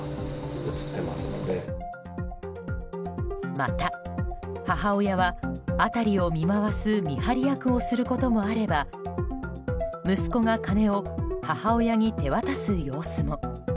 また、母親は辺りを見回す見張り役をすることもあれば息子が金を母親に手渡す様子も。